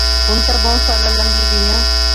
ہن تہ بہوں سالاں لنگی گئیاں